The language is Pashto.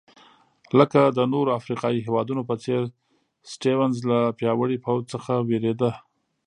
لکه د نورو افریقایي هېوادونو په څېر سټیونز له پیاوړي پوځ څخه وېرېده.